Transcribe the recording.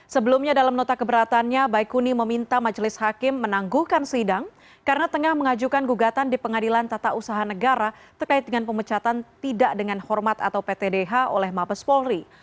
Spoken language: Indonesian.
sebelumnya dalam nota keberatannya baikuni meminta majelis hakim menangguhkan sidang karena tengah mengajukan gugatan di pengadilan tata usaha negara terkait dengan pemecatan tidak dengan hormat atau ptdh oleh mabes polri